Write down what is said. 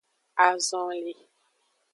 Azonli.